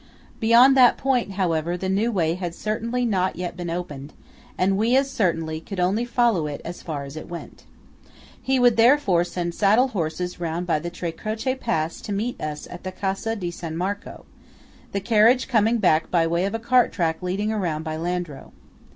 Beyond that point, however, the new way had certainly not yet been opened, and we, as certainly, could only follow it as far as it went. He would therefore send saddle horses round by the Tre Croce pass to meet us at the Casa di San Marco; the carriage coming back by way of a cart track leading round by Landro.